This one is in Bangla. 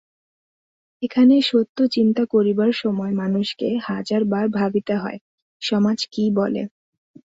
এখানে সত্য চিন্তা করিবার সময় মানুষকে হাজার বার ভাবিতে হয়, সমাজ কি বলে।